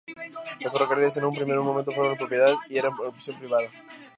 Los ferrocarriles en un primer momento fueron propiedad y eran de operación privada.